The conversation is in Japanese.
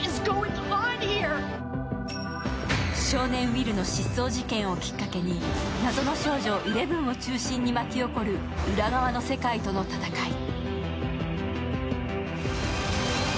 少年ウィルの失踪事件をきっかけに、謎の少女イレブンを中心に巻き起こる裏側の世界との戦い。